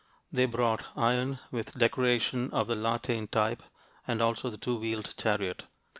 They brought iron with decoration of the La Tène type and also the two wheeled chariot.